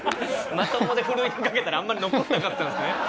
まともでふるいに掛けたらあんまり残んなかったんですね。